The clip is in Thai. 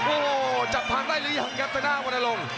โอ้จับทางได้หรือยังแก๊ปเตอร์น่าวันนายลง